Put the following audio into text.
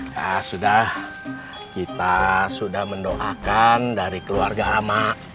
ya sudah kita sudah mendoakan dari keluarga amak